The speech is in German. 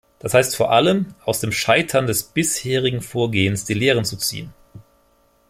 Dies heißt vor allem, aus dem Scheitern des bisherigen Vorgehens die Lehren zu ziehen.